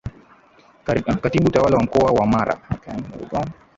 Katibu Tawala wa Mkoa wa Mara